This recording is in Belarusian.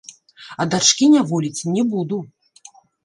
А дачкі няволіць не буду.